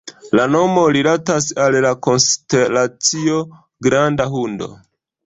La nomo rilatas al la konstelacio Granda Hundo.